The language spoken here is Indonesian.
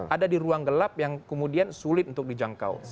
ada di ruang gelap yang kemudian sulit untuk dijangkau